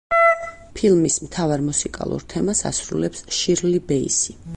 ფილმის მთავარ მუსიკალურ თემას ასრულებს შირლი ბეისი.